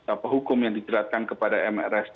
apa hukum yang dijeratkan kepada mrs